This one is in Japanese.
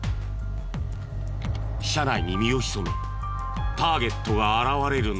車内に身を潜めターゲットが現れるのを待つ。